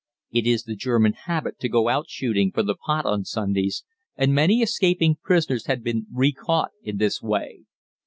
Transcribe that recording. It is the German habit to go out shooting for the pot on Sundays, and many escaping prisoners had been recaught in this way.